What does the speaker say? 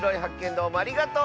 どうもありがとう！